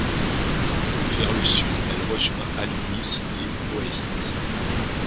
Vers le sud, elle rejoint Aluniș et Ploiești.